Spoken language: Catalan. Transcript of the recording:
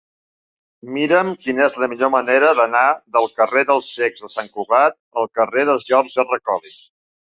Mira'm quina és la millor manera d'anar del carrer dels Cecs de Sant Cugat al carrer de George R. Collins.